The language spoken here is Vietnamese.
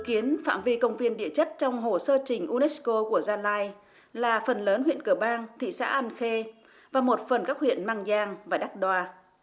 dự kiến phạm vi công viên địa chất trong hồ sơ trình unesco của gia lai là phần lớn huyện cửa bang thị xã an khê và một phần các huyện mang giang và đắc đoa